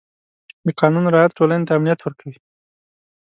د قانون رعایت ټولنې ته امنیت ورکوي.